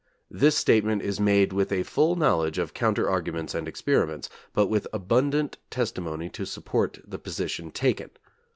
This statement is made with a full knowledge of counter arguments and experiments, but with abundant testimony to support the position taken....